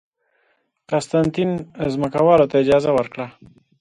قسطنطین ځمکوالو ته اجازه ورکړه